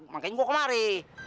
makanya gue kemari